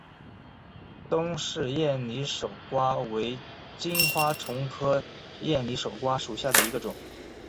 东氏艳拟守瓜为金花虫科艳拟守瓜属下的一个种。